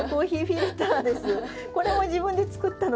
これも自分で作ったの。